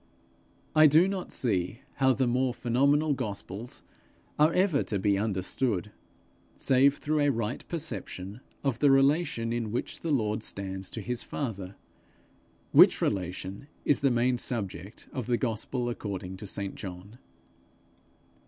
I do not see how the more phenomenal gospels are ever to be understood, save through a right perception of the relation in which the Lord stands to his father, which relation is the main subject of the gospel according to St John.